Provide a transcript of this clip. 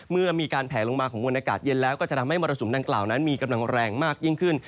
เมื่อมีการแผลลงมาของมวลอากาศเย็นแล้วก็จะทำให้มรสุมดังกล่าวนั้นมีกำลังแรงมากยิ่งขึ้น